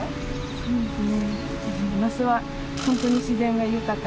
そうですね。